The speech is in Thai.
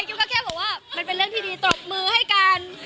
ก็แค่บอกว่ามันเป็นเรื่องที่ดีตรบมือให้กัน